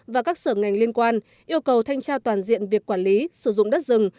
và các sở ngành liên quan yêu cầu thanh tra toàn diện việc quản lý sử dụng đất rừng